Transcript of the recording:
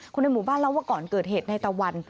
ในหมู่บ้านเล่าว่าก่อนเกิดเหตุในตะวัน